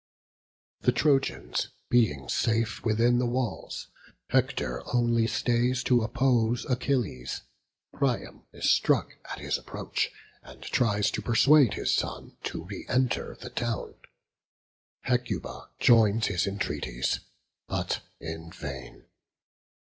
The Trojans being safe within the walls, Hector only stays to oppose Achilles. Priam is struck at his approach, and tries to persuade his son to re enter the town. Hecuba joins his entreaties, but in vain.